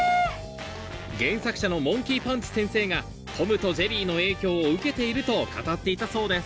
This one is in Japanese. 原作者のモンキー・パンチ先生が『トムとジェリー』の影響を受けていると語っていたそうです